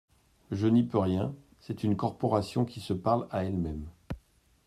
Je n’y peux rien : c’est une corporation qui se parle à elle-même.